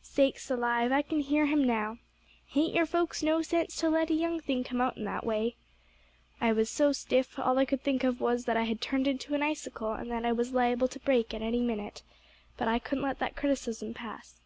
"'Sakes alive!' I can hear him now. 'Hain't your folks no sense to let a young thing come out in that way?' "I was so stiff, all I could think of was, that I had turned into an icicle, and that I was liable to break at any minute. But I couldn't let that criticism pass.